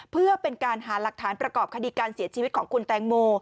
เพื่อเป็นการหาหลักฐานประกอบคดีการเสียชีวิตของคุณแตงโม